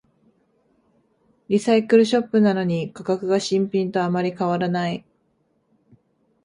リサイクルショップなのに価格が新品とあまり変わらない